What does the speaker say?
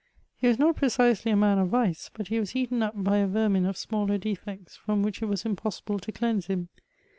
He was not precisely a man of vice, but he was eaten up by a vermin of smaller defects, from which it was impossible to cleanse him.